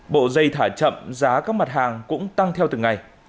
bộ dây thả chậm giá các mặt hàng cũng tăng theo từng ngày